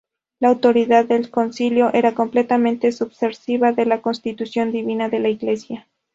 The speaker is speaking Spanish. La autoridad del Concilio era completamente subversiva de la constitución divina de la iglesia.